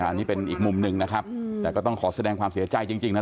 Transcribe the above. อันนี้เป็นอีกมุมหนึ่งนะครับแต่ก็ต้องขอแสดงความเสียใจจริงนะ